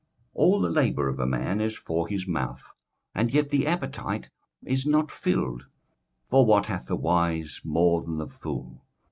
21:006:007 All the labour of man is for his mouth, and yet the appetite is not filled. 21:006:008 For what hath the wise more than the fool?